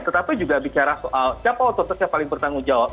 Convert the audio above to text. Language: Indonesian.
tetapi juga bicara soal siapa otoritas yang paling bertanggung jawab